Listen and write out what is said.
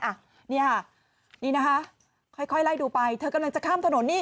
อ่ะนี่ค่ะนี่นะคะค่อยไล่ดูไปเธอกำลังจะข้ามถนนนี่